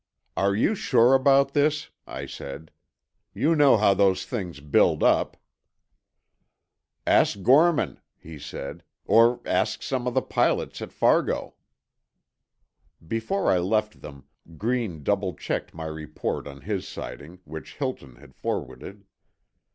"Are you sure about this?" I said. "You know how those things build up." "Ask Gorman," he said. "Or ask some of the pilots at Fargo." Before I left them, Green double checked my report on his sighting, which Hilton had forwarded.